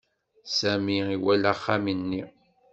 Sami iwala axxam-nni.